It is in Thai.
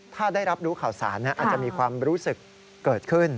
ถ้าได้รับรู้ข่าวสารอาจจะมีความรู้สึกเกิดขึ้น